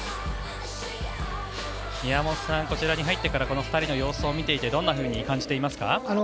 宮本さん、こちらに入ってからこの２人の様子を見ていてどう感じていますか？